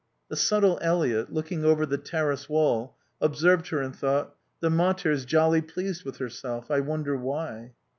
The subtle Eliot, looking over the terrace wall, observed her and thought, "The mater's jolly pleased with herself. I wonder why."